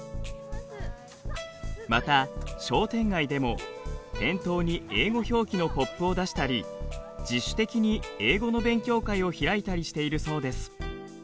また商店街でも店頭に英語表記のＰＯＰを出したり自主的に英語の勉強会を開いたりしているそうです。